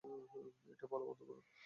এটা বলা বন্ধ করুন।